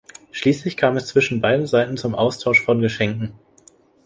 Schließlich kam es zwischen beiden Seiten zum Austausch von Geschenken.